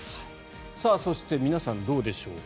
そして、皆さんどうでしょうか。